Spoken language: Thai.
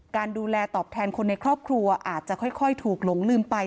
การดูแลตอบแทนคนในครอบครัวอาจจะค่อยถูกหลงลืมไป